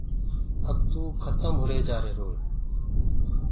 اب ڪو کتم هوندو جآرهيرو هي۔